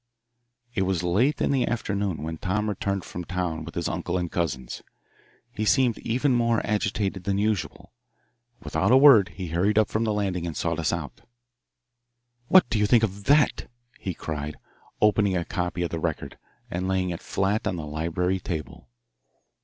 It was late in the afternoon when Tom returned from town with his uncle and cousin. He seemed even more agitated than usual. Without a word he hurried up from the landing and sought us out. "What do you think of that?" he cried, opening a copy of the Record, and laying it flat on the library table.